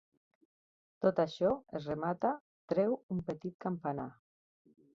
Tot això es remata treu un petit campanar.